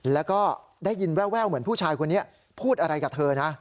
แล้วก็ได้ยินแววเหมือนผู้ชายคนนี้พูดอะไรกับเธอนะ